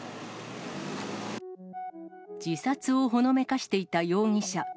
自殺をほのめかしていた容疑者。